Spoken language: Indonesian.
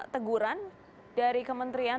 teguran dari kementerian